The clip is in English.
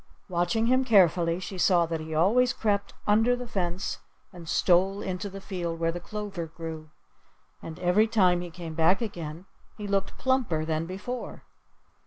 Watching him carefully, she saw that he always crept under the fence and stole into the field where the clover grew. And every time he came back again he looked plumper than before.